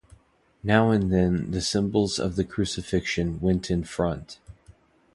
Now and then the symbols of the Crucifixion went in front.